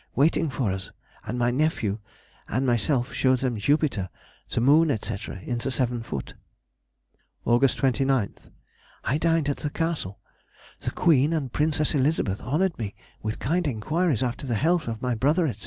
waiting for us, and my nephew [ætat. 15] and myself showed them Jupiter, the Moon, &c., in the seven foot. Aug. 29th.—I dined at the Castle. The Queen and Princess Elizabeth honoured me with kind enquiries after the health of my brother, &c.